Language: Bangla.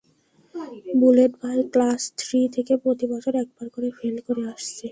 বুলেট ভাই ক্লাস থ্রি থেকে প্রতিবছর একবার করে ফেল করে আসছে।